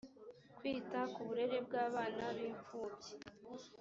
kwita ku burere bw abana b imfubyi